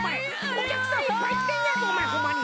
おきゃくさんいっぱいきてんねんぞおまえホンマに！